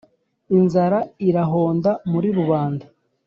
inzara irahonda muri rubanda